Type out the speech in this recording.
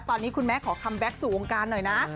ตอนนี้คุณแม่ขอกำเน็ตสู่โวงการหน่อยนะ